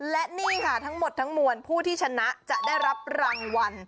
และนี่ค่ะทั้งหมดทั้งมวลผู้ที่ชนะจะได้รับรางวัล